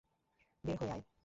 বের হয়ে আয়!